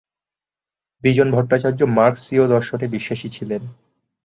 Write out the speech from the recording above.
বিজন ভট্টাচার্য মার্কসীয় দর্শনে বিশ্বাসী ছিলেন।